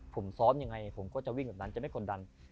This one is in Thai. ผมซ้อมยังไงผมก็จะวิ่งแบบนั้นจะไม่กดดัน